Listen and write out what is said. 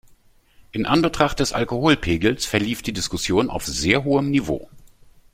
In Anbetracht des Alkoholpegels verlief die Diskussion auf sehr hohem Niveau.